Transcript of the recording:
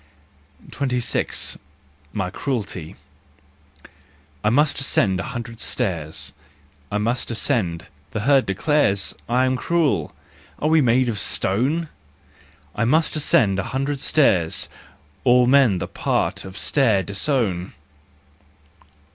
26. My Cruelty . I must ascend an hundred stairs, I must ascend : the herd declares Pm cruel: " Are we made of stone ?" I must ascend an hundred stairs: All men the part of stair disown.